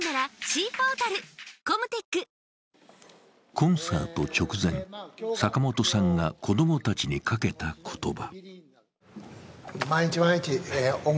コンサート直前、坂本さんが子どもたちにかけた言葉。